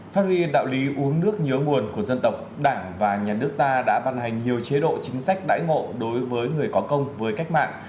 phát huy đạo lý uống nước nhớ nguồn của dân tộc đảng và nhà nước ta đã ban hành nhiều chế độ chính sách đãi ngộ đối với người có công với cách mạng